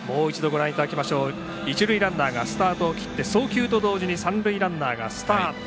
一塁ランナーがスタートを切って送球と同時に三塁ランナーがスタート。